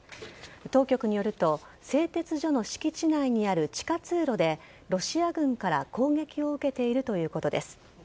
当局によると製鉄所の敷地内にある地下通路でロシア軍から攻撃を受けているということです。